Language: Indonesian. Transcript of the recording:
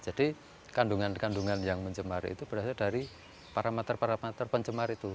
jadi kandungan kandungan yang mencemar itu berdasarkan dari parameter paramater pencemar itu